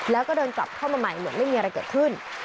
แล้วก็เดินกลับเข้ามาใหม่เหมือนไม่มีอะไรเกิดขึ้น